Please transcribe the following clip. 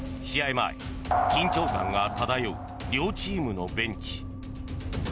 前、緊張感が漂う両チームのベンチ。